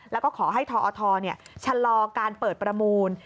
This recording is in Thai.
แล้วก็ขอให้ทอทชะลอการเปิดประมูล